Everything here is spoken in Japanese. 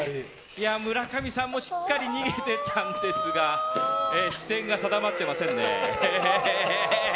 村上さんもしっかり逃げていたんですが視線が定まっていませんね。